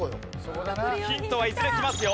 ヒントはいずれ来ますよ。